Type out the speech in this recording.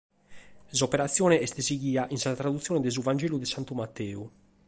S’operatzione est sighida cun sa tradutzione de su Vangelu de Santu Mateu.